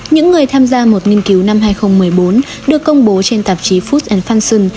những người tham gia một nghiên cứu năm hai nghìn một mươi bốn được công bố trên tạp chí food francion